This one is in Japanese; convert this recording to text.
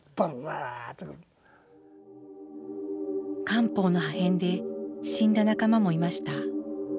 艦砲の破片で死んだ仲間もいました。